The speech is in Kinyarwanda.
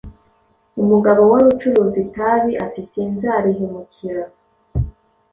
Umugabo wari ucuruza itabi ati sinzarihemukira